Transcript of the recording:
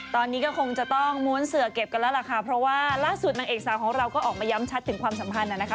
ตอนนี้ก็คงจะต้องม้วนเสือเก็บกันแล้วล่ะค่ะเพราะว่าล่าสุดนางเอกสาวของเราก็ออกมาย้ำชัดถึงความสัมพันธ์นะคะ